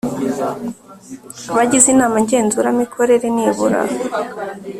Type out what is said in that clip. Abagize inama ngenzuramikorere nibura